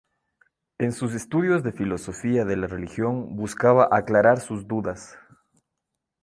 En sus estudios de filosofía de la religión buscaba aclarar sus dudas.